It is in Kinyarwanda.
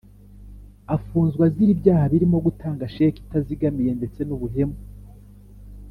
Afunzwe azira ibyaha birimo gutanga sheki itazigamiye ndetse n’ubuhemu.